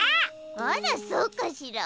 あらそうかしら？